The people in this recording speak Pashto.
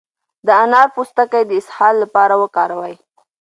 د انار پوستکی د اسهال لپاره وکاروئ